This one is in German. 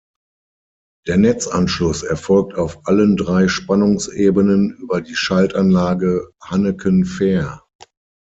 Der Netzanschluss erfolgt auf allen drei Spannungsebenen über die Schaltanlage Hanekenfähr.